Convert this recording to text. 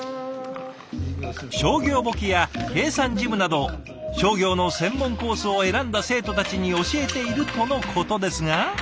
商業簿記や計算事務など商業の専門コースを選んだ生徒たちに教えているとのことですが。